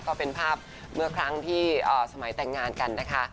ก็เป็นภาพเมื่อครั้งที่สมัยแต่งงานกันนะคะ